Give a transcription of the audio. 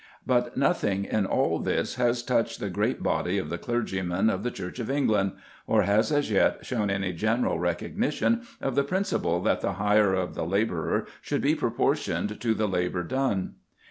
But nothing in all this has touched the great body of the clergymen of the Church of England, or has as yet shown any general recognition of the principle that the hire of the labourer should be proportioned to the labour done.